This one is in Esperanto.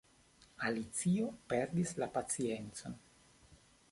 Alicio perdis la paciencon.